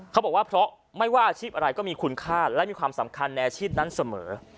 เขาบอกว่าเพราะไม่ว่าอาชีพอะไรก็มีคุณค่าและมีความสำคัญในอาชีพนั้นเสมอ